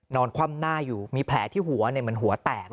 นอนคว่ำหน้าอยู่มีแผลที่หัวเนี่ยมันหัวแตก